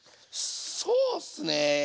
そうっすね。